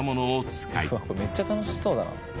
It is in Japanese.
うわっこれめっちゃ楽しそうだな。